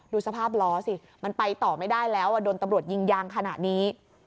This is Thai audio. ดูสภาพล้อสิมันไปต่อไม่ได้แล้วโดนตำรวจยิงยางขนาดนี้